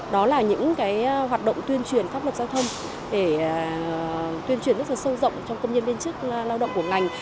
đó là những hoạt động tuyên truyền pháp luật giao thông để tuyên truyền rất sâu rộng trong công nhân viên chức lao động của ngành